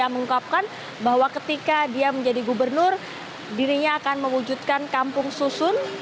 mengungkapkan bahwa ketika dia menjadi gubernur dirinya akan mewujudkan kampung susun